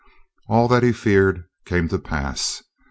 All that he feared came to pass.